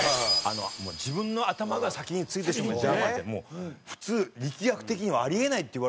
自分の頭が先についてしまうジャーマンってもう普通力学的にはあり得ないっていわれてるやつをね